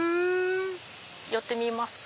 寄ってみますか？